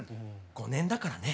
５年だからね。